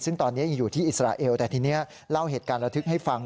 ซึ่งตอนนี้ยังอยู่ที่อิสราเอลแต่ทีนี้เล่าเหตุการณ์ระทึกให้ฟัง